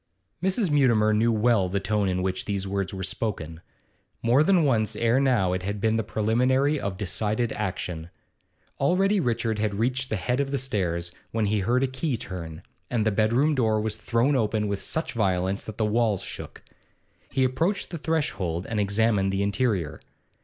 Mrs. Mutimer knew well the tone in which these words were spoken; more than once ere now it had been the preliminary of decided action. Already Richard had reached the head of the stairs, when he heard a key turn, and the bedroom door was thrown open with such violence that the walls shook. He approached the threshold and examined the interior.